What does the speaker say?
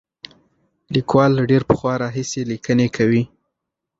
لیکوال له ډېر پخوا راهیسې لیکنې کوي.